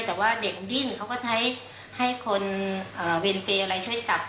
แต่ว่าเด็กดิ้นเขาก็ใช้ให้คนเวรเปย์อะไรช่วยจับ